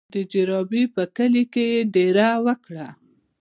د جروبي په کلي کې یې دېره وکړه.